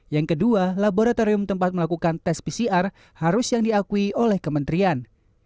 yang kedua laboratorium tempat melakukan tes pcr harus yang diakui oleh kementerian